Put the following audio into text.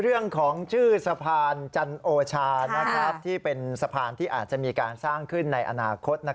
เรื่องของชื่อสะพานจันโอชาที่เป็นสะพานที่อาจจะมีการสร้างขึ้นในอนาคต